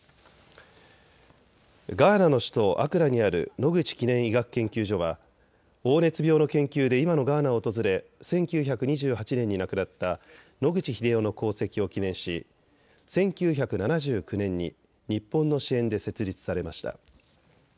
ガーナの首都アクラにある野口記念医学研究所は黄熱病の研究で今のガーナを訪れ１９２８年に亡くなった野口英世の功績を記念し１９７９年に日本の支援で設立されました。